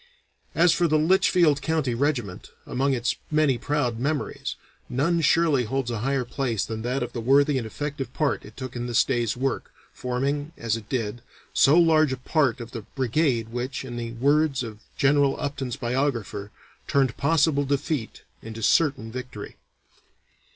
As for the Litchfield County regiment, among its many proud memories, none surely holds a higher place than that of the worthy and effective part it took in this day's work, forming, as it did, so large a part of the brigade which, in the words of General Upton's biographer, turned possible defeat into certain victory.